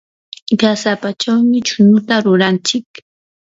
qasapachawmi chunuta ruranchik.